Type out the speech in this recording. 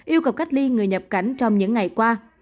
yêu cầu cách ly người nhập cảnh trong những ngày qua